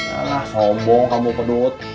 ah lah sombong kamu pedut